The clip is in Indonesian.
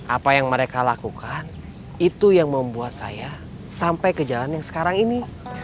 apa yang mereka lakukan itu yang membuat saya sampai ke jalan yang sekarang ini